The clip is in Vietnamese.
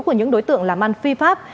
của những đối tượng làm ăn phi pháp